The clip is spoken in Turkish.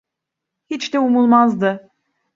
Hiç de umulmazdı.